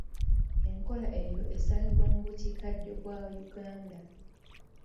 Enkola eyo esangibwa mu bukiikaddyo bwa Uganda.